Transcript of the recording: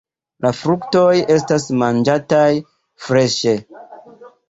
La fruktoj estas manĝataj freŝe.